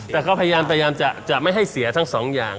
แต่เขาพยายามจะไม่ให้เสียทั้งสองอย่าง